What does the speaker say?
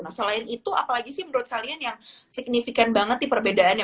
nah selain itu apalagi sih menurut kalian yang signifikan banget nih perbedaannya